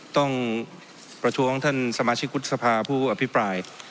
ต้องประท้วงท่านสมาชิกวุฒิสภาผู้อภิปราย